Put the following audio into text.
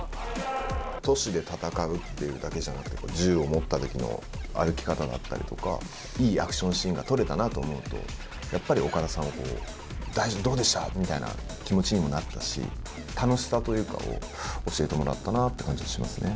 徒手で戦うってだけじゃなくて、銃を持ったときの歩き方だったりとか、いいアクションシーンが撮れたなと思うと、やっぱり岡田さんを、どうでした？みたいな気持ちにもなったし、楽しさというかを教えてもらったなっていう感じがしますね。